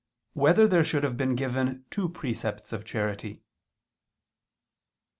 2] Whether There Should Have Been Given Two Precepts of Charity?